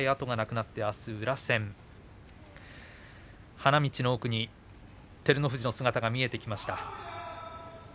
花道の奥に照ノ富士の姿が見えてきました。